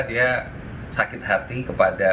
dia sakit hati kepada